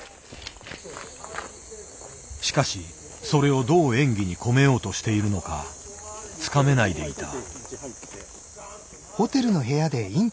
しかしそれをどう演技に込めようとしているのかつかめないでいた。